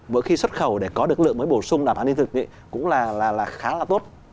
bữa khi xuất khẩu để có được lượng mới bổ sung đảm bản y tế cũng là khá là tốt